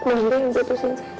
mondi yang putusin saya tante